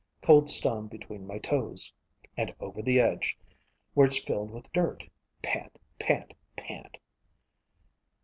Cold stone between my toes. And over the edge, where it's filled with dirt. Pant. Pant. Pant.